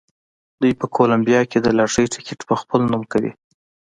دوی په کولمبیا کې د لاټرۍ ټکټ په خپل نوم کوي.